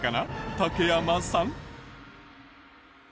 竹山さん。